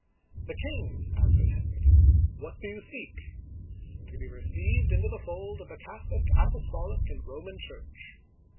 " The king," answered Henry. " What do you seek ?"" To be received into the fold of the Catholic, Apostolic, and Roman Church."